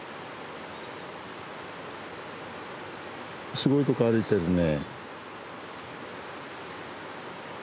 すごいとこ歩いてるね。